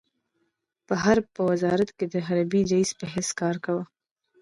په حرب په وزارت کې د حربي رئيس په حیث کار کاوه.